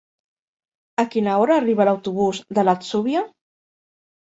A quina hora arriba l'autobús de l'Atzúbia?